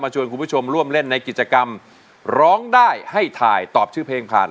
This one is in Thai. ชวนคุณผู้ชมร่วมเล่นในกิจกรรมร้องได้ให้ถ่ายตอบชื่อเพลงผ่าน